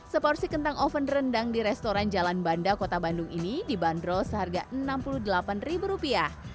seporsi kentang oven rendang di restoran jalan banda kota bandung ini dibanderol seharga enam puluh delapan rupiah